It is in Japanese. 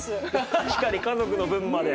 確かに家族の分まで。